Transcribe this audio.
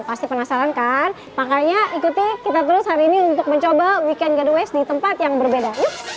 pasti penasaran kan makanya ikuti kita terus hari ini untuk mencoba weekend gateways di tempat yang berbeda